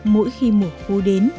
mỗi khi mùa khô đến